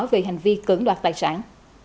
về hành vi cưỡng đoạt tài sản